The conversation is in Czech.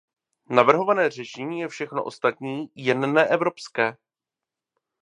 Navrhované řešení je všechno ostatní, jen ne evropské.